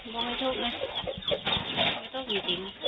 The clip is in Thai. ไม่ต้องนะไม่ต้องจริง